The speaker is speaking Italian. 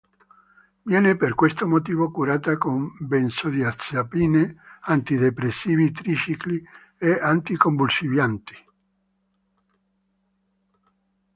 Viene per questo motivo curata con benzodiazepine, antidepressivi triciclici e anticonvulsivanti.